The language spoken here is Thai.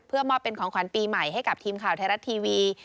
เพื่อมอบเป็นของขวัญปีใหม่ให้กับทีมข่าวไทยรัฐทีวี